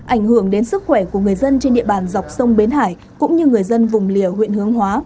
ảnh hưởng đến sức khỏe của người dân trên địa bàn dọc sông bến hải cũng như người dân vùng lìa huyện hướng hóa